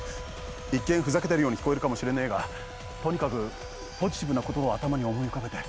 一見ふざけてるように聞こえるかもしれねえがとにかくポジティブな言葉を頭に思い浮かべて。